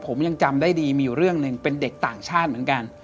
ผมยังจำได้ดีมีอยู่เรื่องหนึ่งเป็นเด็กต่างชาติเหมือนกัน